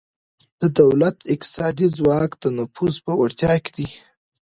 د دولت اقتصادي ځواک د نفوذ په وړتیا کې دی